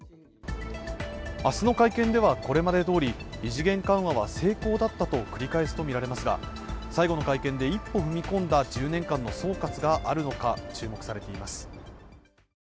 明日の会見ではこれまでどおり異次元緩和は成功だったと繰り返すとみられますが最後の会見で一歩踏み込んだ１０年間の総括があるのか注目されています。